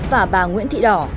và bà nguyễn thị đỏ